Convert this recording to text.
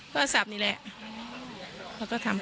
สวัสดีครับ